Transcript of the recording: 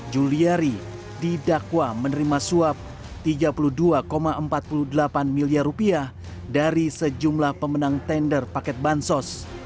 juliari didakwa menerima suap rp tiga puluh dua empat puluh delapan miliar rupiah dari sejumlah pemenang tender paket bansos